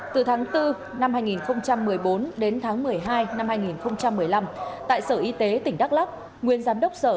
từ tháng bốn năm hai nghìn một mươi bốn đến tháng một mươi hai năm hai nghìn một mươi năm tại sở y tế tỉnh đắk lắc nguyên giám đốc sở